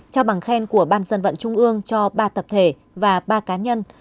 trao bằng khen của ban dân vận trung ương cho ba tập thể và ba cá nhân